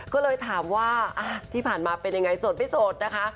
ก็เลยถามว่าที่ผ่านมาเป็นยังไงโสดไม่โสดนะคะ